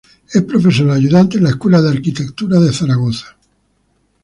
Es profesor ayudante en la escuela de Arquitectura de Zaragoza.